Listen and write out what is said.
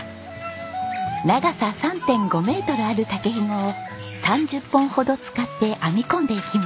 長さ３．５メートルある竹ひごを３０本ほど使って編み込んでいきます。